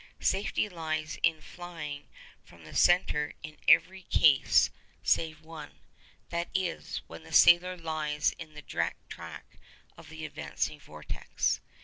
Safety lies in flying from the centre in every case save one—that is, when the sailor lies in the direct track of the advancing vortex.